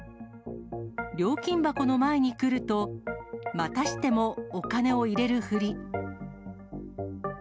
料金箱の前に来ると、またしてもお金を入れるふり。